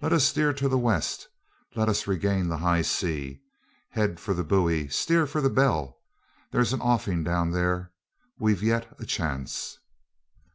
Let us steer to the west, let us regain the high sea; head for the buoy, steer for the bell there's an offing down there. We've yet a chance."